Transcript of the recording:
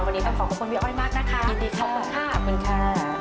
วันนี้ต้องขอขอบคุณพี่อ้อยมากนะคะยินดีขอบคุณค่ะขอบคุณค่ะ